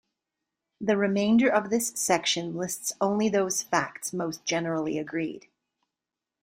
The remainder of this section lists only those facts most generally agreed.